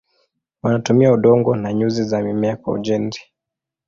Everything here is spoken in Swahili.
Wanatumia udongo na nyuzi za mimea kwa ujenzi.